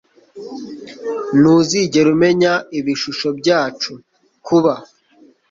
Ntuzigera umenya ibishusho Ibyacu kuba